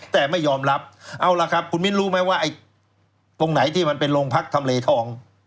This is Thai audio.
แต่ไม่ยอมรับเอาล่ะครับคุณมิ้นรู้ไหมว่าไอ้ตรงไหนที่มันเป็นโรงพักทำเลทอง